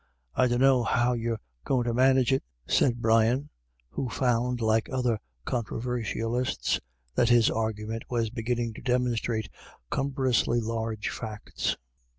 I dunno how you're goin* to manage it," said Brian, who found, like other controversialists, that his argument was beginning to demonstrate \ cumbrously large facts.